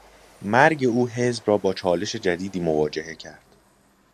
مرگ او حزب را با چالش جدیدی مواجه کرد.